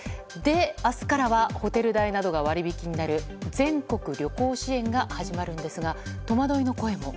明日からはホテル代などが割引になる全国旅行支援が始まるんですが、戸惑いの声も。